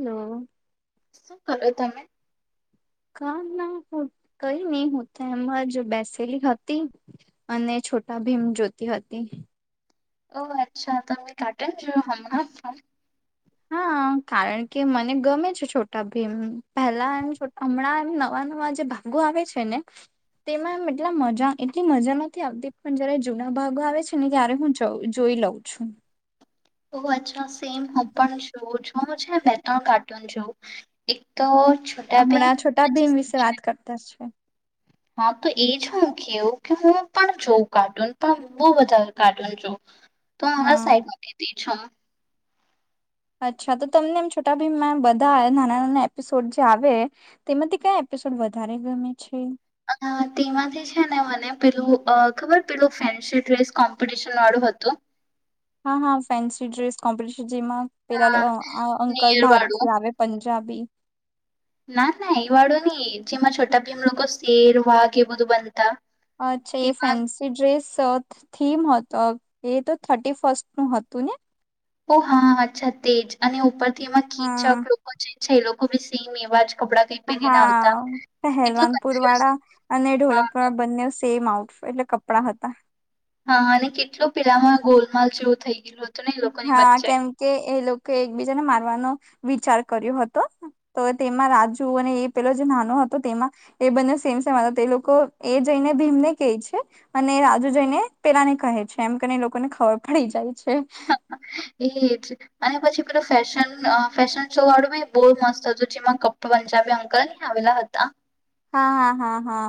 Hello હ શું કર્યું તમે ક ના હું કઈ નઈ હું તો એમાં જ બેસેલી હતી અને છોટા ભીમ જોતી હતી ઓહ અચ્છા તોમે કટ જો હમ ફ હા કારણ કે મને ગમે છે છોટા ભ પેલા હમણાં એ નવા નવા જે ભાગો આવે છે ને તેમાં એટલા મજા એટલી મજા નથી આવતી પણ જયારે જૂના ભાગો આવે છે ને ત્યારે હું જો લઉ છું ઓ અ સેમ હું પણ જો જોઉ છે બે ત્રણ કાર્ટૂન જોું એક તો છોટા બેેમ હમણાં છોટા ભીમ વિશે વાત કરતા છે હા તો એજ મુંકીવ કે હું પણ જોઉ કાર્ટૂન પણ બહ વધારે કાર્ટૂન જોઉ તું અમારા હા સાઈડમાં કીતી છ અચ્છા તો તમને એમ છોટાભાઈ બધા નાના નાના એપિસોડ જે આવે તેમાંથી ક િસોડ વધારે ગમે છે અ તેમાંથી છે ને મને પેલું ખબર પેલું ફન્સી ડ્રેસ કોમ્પિટિશન વાળું હતો હા હા ફેન્સી ડ્રેસ કોમ્પિટશન જેમાં પેલા અંકલ નેર વાળું બારથી આવે પંજાબી ના ના એ વાળો નઈ જેમાં છોટાભેમ લોકો શેર વાઘ એ બધું બનતા અચ્છા એ તેમાં ફેન્સી ડ્રેસ થીમ તો એ તો થર્ટી ફર્સ્ટ નું હતું ને ઓ હા હા્છા તેજ અને ઉપરથી એમાં કીચક હા લોકો છે છે એ લોકો બી સેમ એવા જ કપડાં કઈ પહેરીને આવતા હા કેટલું પહેલવાનપુર કન્ફ્યુઝ વાળા અને હા ઢોલપુર વાળા બંને સેમ આઉટફિટ એટલે કપડા હતા હા અને કેટલો પેલામાં ગોલમાલ જેવું થઇ ગયું હતું ને એ લોકોની હા વચ્ચે કેમ કે એ લોકો એકબીજાને મારવાનો વિચાર કર્યો હતો તો તેમાં રાજુ અને એ પેલો જે નાનો હતો તેમાં એ બને સે એ લોકો એ જઈને ભીમને કે છે અને રાજુ જઈને પેલાને કહે છે એમ કરીને લોકોને ખબર પડી જાય છે એજ અને પછી પેલું ફેશન ફેશન શો વાળું બી બહુ મસ્ત હતું જેમાં પંજાબી અંકલ આવેલા હતા હા હા હા હા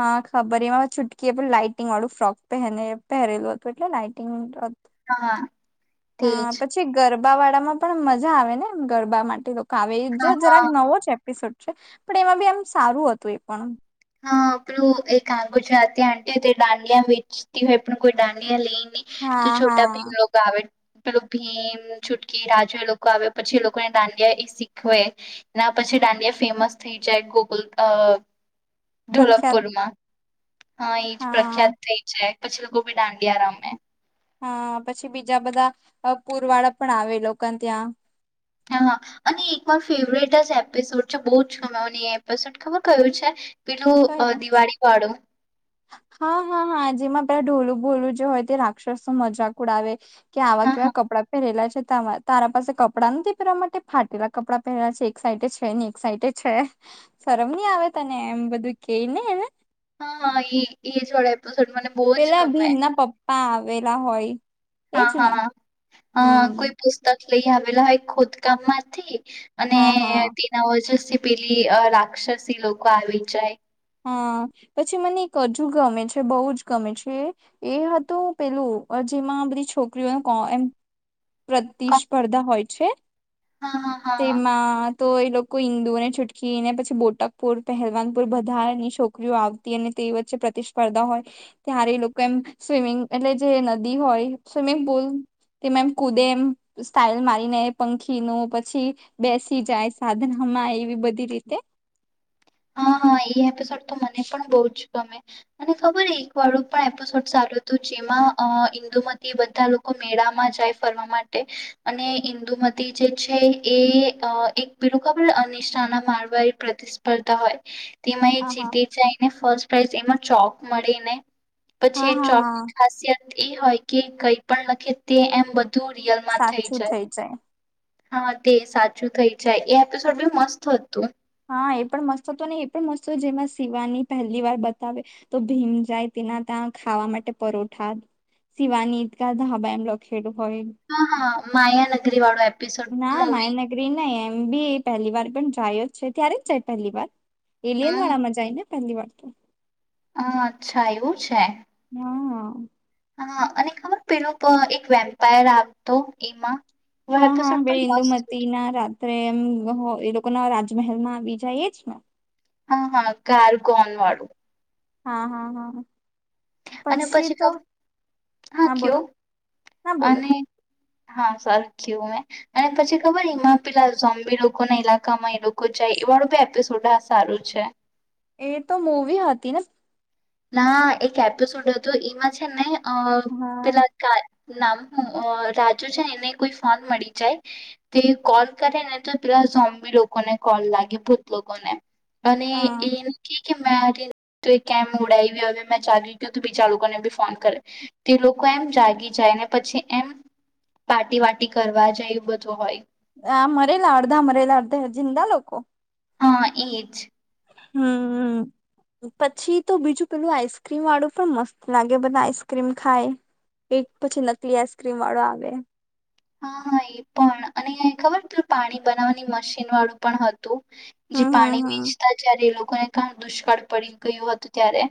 હા ખબર એમાં છૂટકી એ પણ લાાઈટિંગ વાળું ફ્રોક પહેને પહેરેલું પહેરેલું હતુ કેમ નાઇટી નુ ટ હા હા હા તેજ પછી ગરબા વાળા માં પણ મજા આવે ને એમ ગરબા માટે લોકો આવે હા જરાક હા નવો જ એપિસોડ છે પણ એમાં બી એમ સારું હતું એ પણ હ આપું એક ગુજરાતી આંટી તે ડાંડિયા વેચતી હોયે પણ કોઈ ડાંડિયા લઈ હા તો છોટા હા ભીમ લોકો આવે પેલું ભીમ છૂટકી રાજુ એ લોકો આવ પછી એ લોકોને દાંડિયા એ શીખવે એના પછી દાંડિયા ફેમસ થઈ જાય ગોકુલ અ પ્રખ્યાત ઢોલકપુરમાં હા એજ હા પ્રખ્યાત થઈ છે પછી લોકો બી દાંડિયા રમે હા પછી બીજા બધા અ પુરવાળા પણ આવે લોકોને ત્યાં હા અને એક માર ફેવરેટ જ એપિસોડ છે બહુ જ છુંનો ની મેને એ એપિસોડ ખબર કયું છે પેલું અ કયું દિવાળી વાળું હા હા હા જેમાં પેલા ઢોલું બોલું જે હોય તે રાક્ષસો મજાક ઉડાવે કે આવા હા કેવા હા કપડાં પહેરેલા છે તારા પાસે કપડાં નથી પહેરવા માટે ફાટેલા કપડાં પહેર્યા છે એક સાઇડ છે ને એક સાઇડ છે શરમ નહી આવે તને એમ બધું કેઈ ને એને હા હા એ એ જોડે પેલા ભીમના પપ્પા આવેલા હોય હા એજ ને હા અ હમ કોઈ પુસ્તક લઈ આવેલા હોય ખોદકામ માંથી અને હા હા તેના વજનથી પેલી રાક્ષસી લોકો આવી જાય હા પછી મને એક હજુ ગમે છે બહુ જ ગમે છે એ હતું પેલું જેમાં આ બધી છોકરીઓને કો એમ કોણ પ્રતિસ્પર્ધા હોય છે હા હા હા તેમાં તો એ લોકો ઇન્દુઓને છૂટકીને પછી બોટકપુર પહેલવાનપુર બધા ની છોકરીઓ આવતી અને તે વચ્ચે પ્રતિસ્પર્ધા હોય ત્યારે એ લોકો એમ સ્વિમિંગ એટલે જે નદી હોય સુમિંગ પૂલ તેમાં એમ કૂદે એમ સ્ટાઇલ મારીને પંખી નુ પછી બેસી જાય સાધન માં એવી બધી રીતે [inaudible] હા હા એ એપિસોડ તો મને પણ બહુ જ ગમે મને ખબર એક વાળું પણ એપિસોડ સારુ જેમાં ઇન્દુમતી બધા લોકો મેળામાં જાય ફરવા માટે અને ઇન્દુમતી જે છે એ એક પેલું ખબર [unintelligible] કરતા હોય તેમાં એ હા હા જીતે જાયને ફસ્ટ પ્રાઈઝ એમાં ચોક મળીને હા પછી હા હા ચોકની ખાસિયત એ હોય કે કઈ પણ લખે તે એમ બધું ધું રિયલ માં થઈ જાય હા તે સાચું થઈ જાય એ એપિસોડ બી મસ્ત હતું હા એ પણ મસ્ત હતુ ને એ પણ મસ્ત જેમાં શિવાની પહેલી વાર બતાવે તો ભીમ જાય એના ત્યાં ખાવા માટે પરોઠા સિવાની દા ધાબા એમ લખેલું હોય હા હા માયા નગરી વાળો એ ના માહેનગરી ન એમ બી પહેલી વાર પણ જાય જ છે ત્યારે જ જાય પહેલી વાર એલિયન વાળા માં જાય ને ધન્યવાદ હ અચ્છા એવું છે હા હા અને ખબર પેલોું એક વેમ્પાયર આવતો એમાં એવો હા હા એપિસોડ પણ બેળિંદ મસ્ત હતો. મતીના રાત્રે એમ કોકના રાજમહેલ માં બીજા એ જ ને હા હા કારગોન વાળું હા હા હા હ અને પછી હા કયો ના બોલો અને હા સરખીું મેં અને પછી ખબરમાં પેલા ઝંબી લોકો ના ઈલાકામાં એ લોકો જાય વાળુંી એપિસોડ હ સારું છે એ તો મૂવી હતી ને ના એક એપિસોડ હતો એમાં છે ને અ હા પેલા નામ હું રાજુ છે ને એને કોઈ ફોન મળી જાય તે કોલ કરે ને તો સભી લોકો ને કલ લાગે ભૂત લોકોને અને એ હા કે કેરી ડાવ હવે મેં જાગી ગય બીજા લોકોને બી ફોન કરે તે લોકો એમ જાગી જાય ને પછી એમ પારટી વાટી કરવા જાય એવું બધું હોય હા મરે લાડદ મરે લાડતા જિંદા લોકો હા એજ હમ હ પછી તો બીજું પેલું આઈસ્ક્રીમ વાળું પણ મસ્ત લાગે બધા આઈસ્ક્રીમ ખાય એક પછી નકલી આઈસક્રીમ વાળો આવે હા હા એ પણ અને ખબર ત પાણી બનાવવાની મશીન વાળું પણ હતું જે હમ હમ પાણી હમ. વેચતા જય્યારે એ લોકોને કણ દુષ્કાળ પડી ગયયો હતું ક્યારે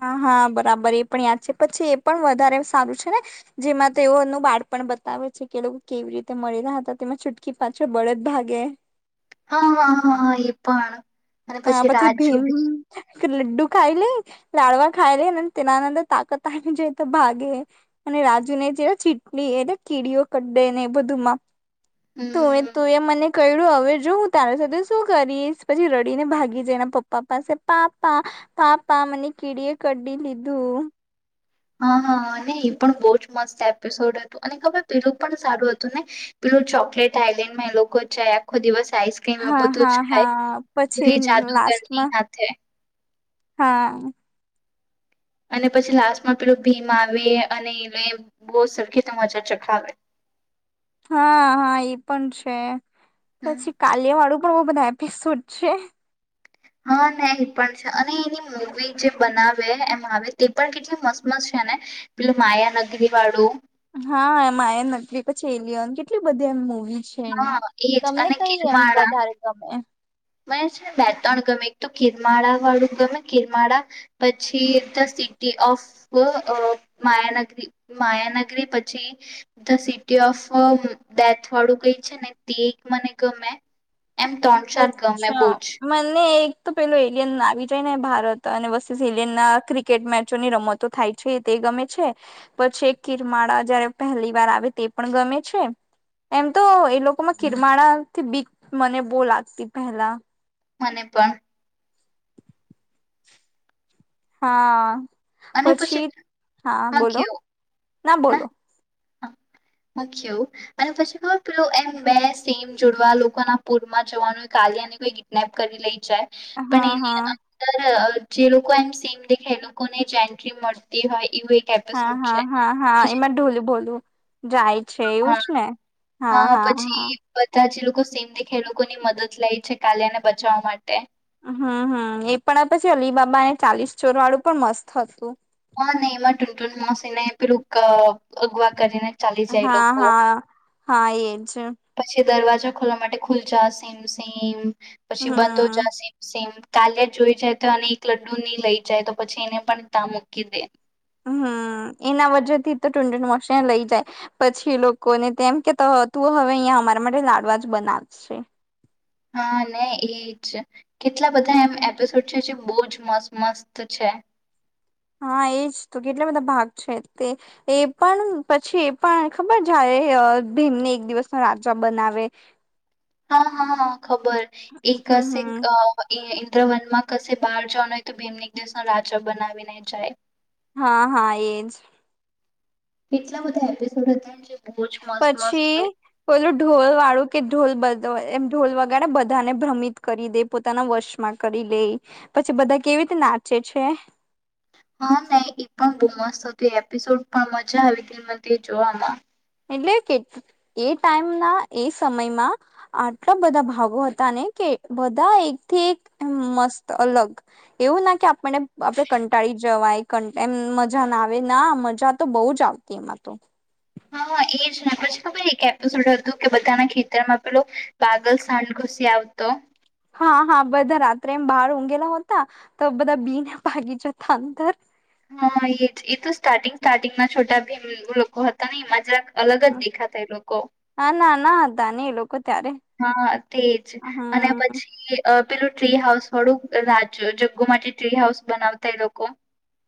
હા હા બરાબર એ પણ યાદ છે પછી એ પણ વધારે સારું છે ને જેમાં તેઓનું બાળ પણ બતાવે છે કે લોકો કેવી રીતે મળી રહ્યા હતા તેમાં છૂટકી પાછો બળદ ભાગે હા હા હા હા એ પણ અને હા પછી રાજુ ભીમ બી. લડ્ડુ ખાઈ લ લાડવા ખાઈ લ અને તેનાનંદર તાકાત આવી જ તો ભાગે અને રાજુ ને જે ચીટણી એલે કીડીઓ ક દે ને બધુંમાં તું હમ તું એ મને ક્યું હવે જો હું તારા સાથે શું કરીશ પછી ર કડીને ભાગી જાયના પપ્પા પાસે પાપા પાપા મને કીડી એ કઢ લીધું હા હા ને એ પણ બહુ જ મસ્ત એપિસોડ હતું અને ખબર પેલું પણ સારું હતું ને ચોકલેટ આઈલેન્ડ માં એ લોકો ચ આખો દિવસ આઈસક્રીમ હા બધું હા જ ખાય હા પછી પૂરી જાદુગરની લાસ્ટમાં હાથે હા અને પછી લાસ્ટમાં પેલું ભીમ આવે અને એલે બહ સરખી તો મજા ચખાવે [unintelligible] હા હા એ પણ છે હમ પછી કાલેિયા વાળું બધા એપિસોડ છે હા ને એ પણ છે અને એની મવી જે બનાવે એમ આવે તે પણ કેટલી મસ્ત મસ્ત છે હ ને પેલ માયા નગરી વાળું હા એમ એ નત્રી પછી એલિયન કેટલી બધી એમ મુવી છેની હા એજ તમને અને કઈ એમ કિરમાળા વધારે ગમે મને છે ને બે ત્રણ ગમે એક તો કિરમાળા વાળું ગમે ગિરમાળા પછી ઓફ માયાનગરી માયાનગરી પછી ધ સિટી ઓફ થ વાળું કઈ છે ને તે મને ગમે એમ ત્રણ ચાર ગમે બહુ જ [unintelligible] એક તો પેલું એલિયન આવી જાય ને ભારત અને બ એલિયન ના ક્રિકેટ મેચોની રમતો થાય છે તે ગમે છે પછી એક કિરમાળા જયારે પહેલી વાર આવે તે પણ ગમે છે એમ તો એ લોકોમાં કિરમાળથી બીક મને બોવ લાગતી પેલા મને પણ હા પછી હા બોલો ના બોલો હમ મખ અને પછી પેલુ ખબર એમ બે સીમ જોડવા લોકો ના પુરમાં જવાનું કો કિડનેપ કરી લઈ જાય પણ હા એની હા અંદર જે લોકો એમ સેમ દેખે એ લોકોને જ એન્ટ્રી મળતી હોય એ હા હા હા હા એમાં ઢોલ બોલું જાય છે એવું હા જ ને હા હા હા સીમથી ખેડૂતો ની મદદ લાય છે કાલીયા ને બચાવવા માટે હમ હમ એ પણ પછી અલીબાબાને ચાલીસ ચોર વાળું પણ મસ્ત હતું હા નહીમાં ટૂન ટૂન માસીને પેરું અગુવા કરીને ચાલી જાય હા લોકો હા હા એજ પછી દરવાજા ખોલવા માટે ખુલ જા સીમ સીમ પછી બંધ હો હમ જા સીમ સીમ કાલ્યા જોઈ જાય તો અને એક લડ્ડુ ની લઈ જાય તો પછી એને પણ તા મૂકી દે હમ એના વ્ે થી તો ટુંડ મોસ લઇ જાય પછી લોકોને તેમ કે તું હવે અહંયા અમારા માટે લાડવા જ બનાવશે હા અને એજ કેટલા બધા એમ એપિસોડ છે જે બહ જ મસ્ત મસ્ત છે હા એજ તો કેટલા બધા ભાગ છે તે એ પણ પછી એ પણ ખબર જાય ભીમ ને એક દિવસ ન રાજા બનાવે હા હા હા ખબર એક હમ હમ [inaudible] દ્ર વનમાં ક બહાર જવાનું હોય તો ભીમ ને દેશનો રાજા બનાવીને જાય હા હા એજ કેટલા બધા એપિસોડ હતા બહુ જ મસ્ત મસ્ત પછી હોય. પેલું ઢોલ વાળું કે ઢોલ બ મ ઢોલ વગાડ બધાને ભ્રમિત કરી દે પોતાના વર્શમાં કરી લે પછી બધા કેવી રી નાચે છે હા નહી એ પણ બોવ મસ્ત હતું એપિસોડ પણ મજા આવી હતી મ જોવામાં એટલે કે એ ટાઈમ ના એ સમયમાં આટલા બધા ભાગો હતા ને કે બધા એક થી એક મસ્ત અલગ એવું ના કે આપને આપણે કંટાળી જવાય એમ મજા ના આવે ના મજા તો બહુ જ આવતી એમાં તો એ પછી એક એપિસોડ હતું કે બધાના ખેતરમાં પેલો બાગલ સાંડ ઘુસી આવતો હા હા બધા રાત્રે એમ બહાર ઊંઘેલા હોતા તો બધા બી ને ભાગી જતા અંદર હા એ એ તો સ્ટાર્ટિંગ સ્ટાર્ટિંગ ના છોટા ભીમ લોકો હતા ને એમાં જરા હા નાના હતા હતા નને એ લોકો ત્યારે હા તેજ અને હમ પછી એ અ પેલું ટ્રી હાઉસ થડું રાજ જગ્ગો માટે ટ્રી હાઉસ બનાવતા એ લોકો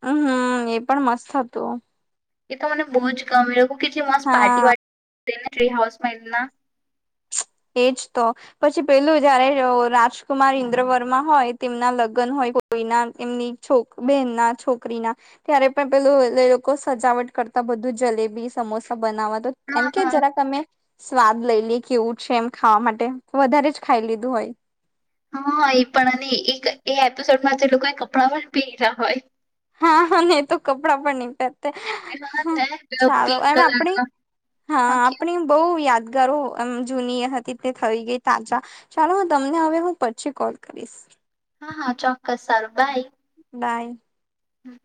હમમ એ પણ મસ્ત હતું એ તો મને બહુ જ ગમે એવુ કે મસ્ત હા પાર્ટી વા ને ટ્રી હાઉસમાં એમના એજ તો પછી પેલું જયારે રાજકુમાર ઇન્દ્રવર્મા હોય તેમના લગ્ન હોય કો એમની બેન ના છોકરી ના ત્યારે પણ પેલું લોકો સજાવટ કરતા બધું જલેબી સમોસા બનાવવા તો એમ હા કે હા જરાક અમે સ્વાદ લઈ લએ કેવું છે એમ ખાવા માટે વધારે જ ખાઈ લીધું હોય હા એ પણ અને એક એ એપિસોડમાં લોકોએ કપડાં પણ પહેર્યા હોય હા ને તો કપડાં પણ નહ પહેરતા હા ને પેલો ચાલો પિંક એમ આપડી કલરનો હા આપણી બહુ યાદ ઘરો એમ જૂની હતી તે થઈ ગઈ તાજા ચાલો હું તમને હવે હું પછી કોલ કરીશ હા હા ચોક્કસ સારું બાય બાય હમ